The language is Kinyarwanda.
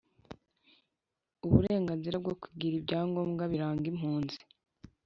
Uburenganzira bwo kugira ibyangombwa biranga impunzi